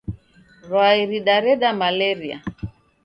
Rwai ridareda malaria